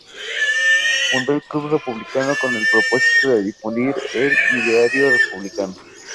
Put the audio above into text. Fundó el "Club Republicano" con el propósito de difundir el ideario republicano.